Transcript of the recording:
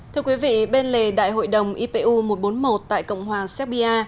thưa quý vị bên lề đại hội đồng ipu một trăm bốn mươi một tại cộng hòa serbia